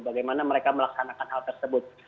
bagaimana mereka melaksanakan hal tersebut